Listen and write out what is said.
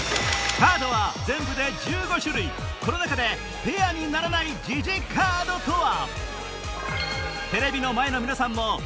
カードは全部で１５種類この中でペアにならないジジカードとは？